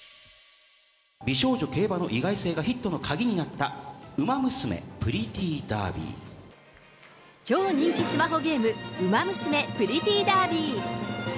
美少女競馬の意外性がヒットの鍵になった、超人気スマホゲーム、ウマ娘プリティーダービー。